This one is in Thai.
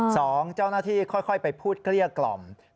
สองเจ้าหน้าที่ค่อยไปพูดเกลี้ยกล่อม